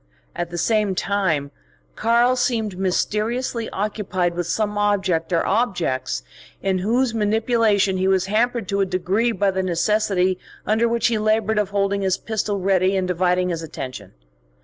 At the same time, "Karl" seemed mysteriously occupied with some object or objects in whose manipulation he was hampered to a degree by the necessity under which he laboured of holding his pistol ready and dividing his attention.